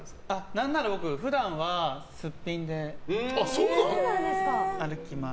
何なら僕、普段はすっぴんで歩きます。